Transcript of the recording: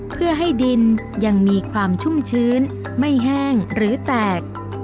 เพื่อให้ดินยังมีความชุ่มชื้นไม่แห้งหรือแตก